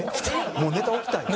もうネタ置きたいん？